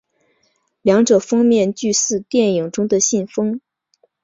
两者封面俱似电影中的信封。